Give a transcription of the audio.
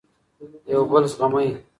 یو بل زغمئ.